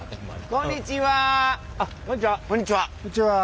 こんにちは。